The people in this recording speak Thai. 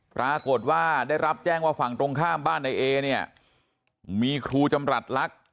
ปรากฏว่าได้รับแจ้งว่าฝั่งตรงข้ามบ้านนายเอเนี่ยมีครูจำรัฐลักษณ์